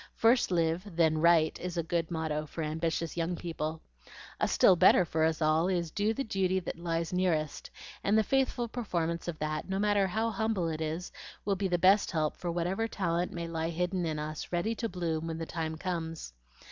'First live, then write,' is a good motto for ambitious young people. A still better for us all is, 'Do the duty that lies nearest;' and the faithful performance of that, no matter how humble it is, will be the best help for whatever talent may lie hidden in us, ready to bloom when the time comes.